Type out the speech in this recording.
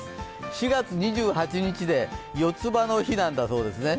４月２８日で、四つ葉の日なんだそうですね。